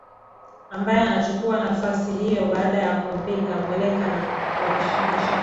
ambaye anachukuwa nafasi hiyo baada ya kumpiga mweleka wa kishindo